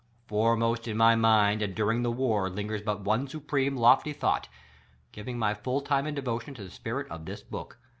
Foremost in my mind and during the WAR lingers but one supreme, lofty thought — giving my full time and devotion to the spirit of this book.